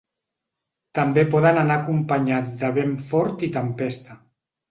També poden anar acompanyats de vent fort i tempesta.